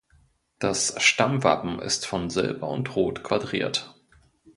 Das Stammwappen ist von Silber und Rot quadriert.